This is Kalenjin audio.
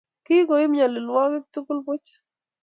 Kakoib nyalilwakik tugul buch